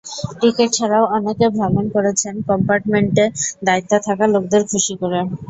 Ticket ছাড়াও অনেকে ভ্রমণ করেছেন কম্পার্টমেন্টে দায়িত্বে থাকা লোকদের খুশি করে।